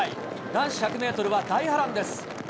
男子１００メートルは大波乱です。